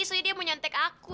soalnya dia menyontek aku